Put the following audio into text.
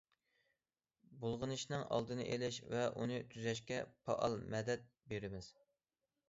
بۇلغىنىشنىڭ ئالدىنى ئېلىش ۋە ئۇنى تۈزەشكە پائال مەدەت بېرىمىز.